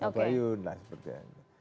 oke nah seperti itu